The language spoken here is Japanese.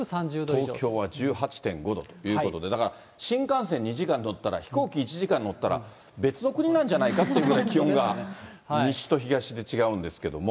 東京は１８．５度ということで、だから新幹線に２時間乗ったら、飛行機１時間乗ったら、別の国なんじゃないかってぐらい、気温が西と東で違うんですけども。